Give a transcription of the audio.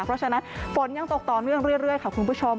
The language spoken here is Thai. เพราะฉะนั้นฝนยังตกต่อเนื่องเรื่อยค่ะคุณผู้ชม